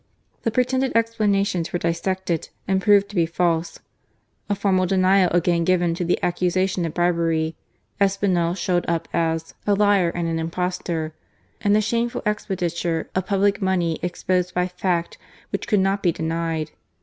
The pretended explanations were dissected and proved to be false, a formal denial again given to the accusation of bribery, Espinel shown up as "a liar and an impostor,'* and the shameful expenditure of public money exposed by facts which could not be denied.